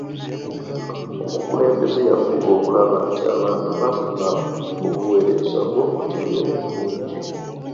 Omukulembeze yafuba okulaba nti abantu bafuna obuweereza obw'omutindo obulungi.